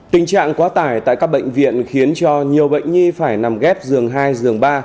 tình trạng quá tải tại các bệnh viện khiến cho nhiều bệnh nhi phải nằm ghép giường hai giường ba